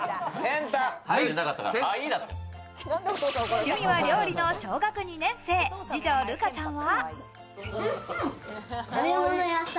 趣味は料理の小学２年生、次女・瑠花ちゃんは。